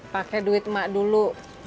pakai duit mak dulu